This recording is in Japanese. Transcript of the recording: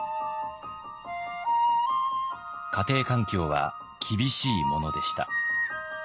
家庭環境は厳しいものでした。